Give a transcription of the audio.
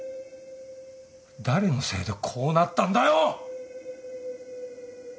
誰のせいでこうなったんだよ！